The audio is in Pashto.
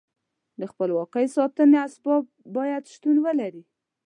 د خپلواکۍ ساتنې اسباب باید شتون ولري.